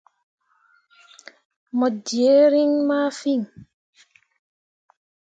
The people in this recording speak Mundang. Mo jerre rĩĩ ma fîi.